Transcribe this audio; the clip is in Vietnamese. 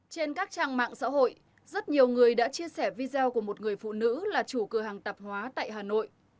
trên các trang mạng xã hội rất nhiều người đã chia sẻ video của một người phụ nữ là chủ cửa hàng tạp hóa tại hà nội